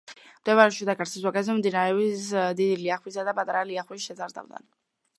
მდებარეობს შიდა ქართლის ვაკეზე მდინარეების დიდი ლიახვისა და პატარა ლიახვის შესართავთან.